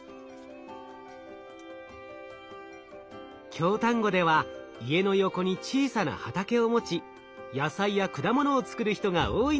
京丹後では家の横に小さな畑を持ち野菜や果物を作る人が多いのです。